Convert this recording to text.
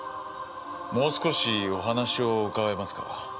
もう少しお話を伺えますか？